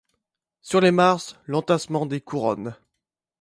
Sur les marches, l'entassement des couronnes.